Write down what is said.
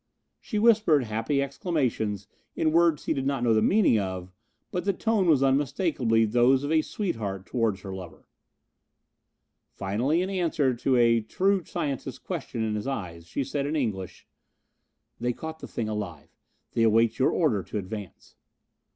She whispered happy exclamations in words he did not know the meaning of, but the tone was unmistakably those of a sweetheart towards her lover. Finally, in answer to a true scientist's question in his eyes, she said in English: "They caught the thing alive. They await your order to advance."